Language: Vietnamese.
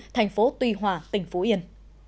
thành phố tuy hòa tỉnh phú yên